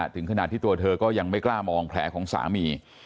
ถึงขนาดที่ตัวเธอก็ยังไม่กล้ามองแผลของสามี